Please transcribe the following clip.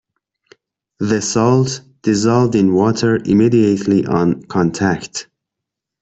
The salt dissolved in water immediately on contact.